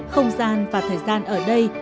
không gian và thời gian ở đây